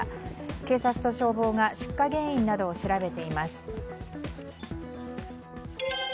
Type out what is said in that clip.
警察と消防が出火原因などを調べています。